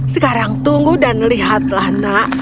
sekarang tunggu dan lihatlah nak